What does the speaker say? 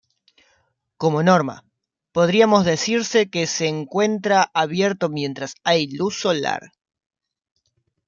Como norma, podríamos decirse que se encuentra abierto mientras hay luz solar.